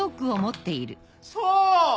そう！